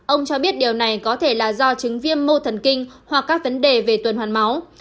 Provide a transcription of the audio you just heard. ông cho biết điều này có thể là do chứng viêm mô thần kinh hoặc các vấn đề về tuần hoàn máu